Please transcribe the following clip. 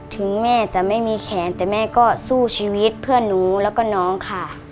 ถึงแม่จะไม่มีแขนแต่แม่ก็สู้ชีวิตเพื่อนหนูแล้วก็น้องค่ะ